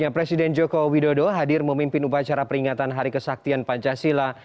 presiden joko widodo hadir memimpin upacara peringatan hari kesaktian pancasila